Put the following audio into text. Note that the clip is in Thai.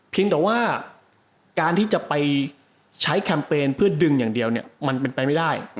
แต่ว่าการที่จะไปใช้แคมเปญเพื่อดึงอย่างเดียวเนี่ยมันเป็นไปไม่ได้